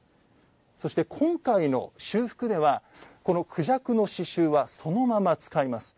そして、今回の修復ではクジャクの刺しゅうはそのまま使います。